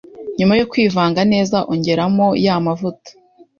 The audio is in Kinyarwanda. Nyuma yo kwivanga neza ongeramo ya mavuta